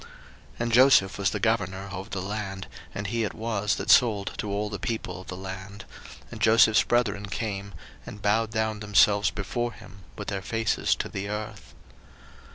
01:042:006 And Joseph was the governor over the land, and he it was that sold to all the people of the land: and Joseph's brethren came, and bowed down themselves before him with their faces to the earth.